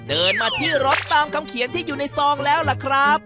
เดินมาที่รถตามคำเขียนที่อยู่ในซองแล้วล่ะครับ